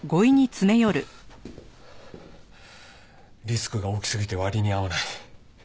リスクが大きすぎて割に合わない。